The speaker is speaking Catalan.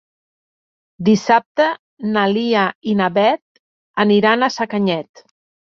Dissabte na Lia i na Beth aniran a Sacanyet.